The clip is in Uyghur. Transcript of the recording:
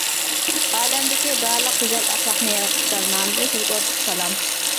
ئالەمدىكى بارلىق گۈزەل ئەخلاقنى ياراتقۇچىلار نامىدىن سىزگە ئوتلۇق سالام!